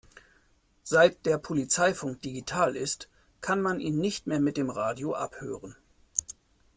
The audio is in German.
Seit der Polizeifunk digital ist, kann man ihn nicht mehr mit dem Radio abhören.